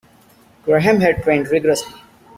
Graham had trained rigourously.